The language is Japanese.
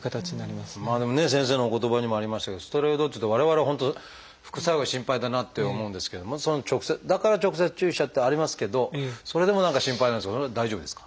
まあでもね先生のお言葉にもありましたけどステロイドっていうと我々は本当副作用が心配だなって思うんですけどだから直接注射ってありますけどそれでも何か心配なんですけどその辺大丈夫ですか？